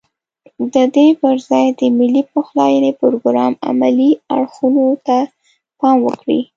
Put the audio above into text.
ددې پرځای د ملي پخلاينې پروګرام عملي اړخونو ته پام وکړي.